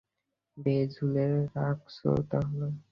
বেশ, ঝুলিয়ে রাখছ তাহলে।